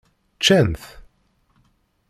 Ččan-t?